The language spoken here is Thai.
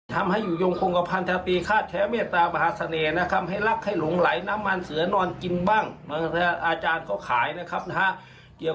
กรุ่นเครื่องรางของขังอยู่ยงโครงสถาปนิติขาดแข็ว